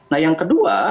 nah yang kedua